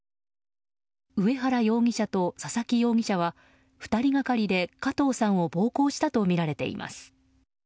上原容疑者と佐々木容疑者は２人がかりで加藤さんを暴行したとみられています。